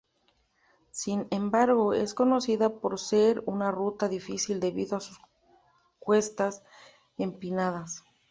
Sin embargo, es conocida por ser una ruta difícil debido a sus cuestas empinadas.